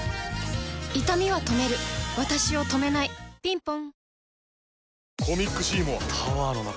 いたみは止めるわたしを止めないぴんぽん